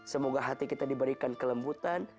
semoga hati kita diberikan kelembutan